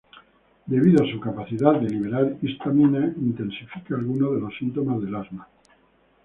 Debido a su capacidad de liberar histamina intensifica algunos de los síntomas del asma.